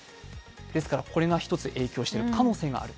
ですからこれが１つ影響している可能性がある。